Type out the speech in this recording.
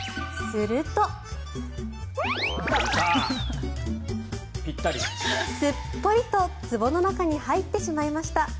すっぽりとつぼの中に入ってしまいました。